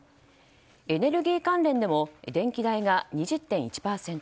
エネルギー関連でも電気代が２０．１％